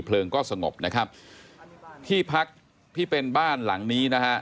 ก็สงบนะครับที่พักที่เป็นบ้านหลังนี้นะฮะ